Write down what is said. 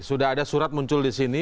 sudah ada surat muncul di sini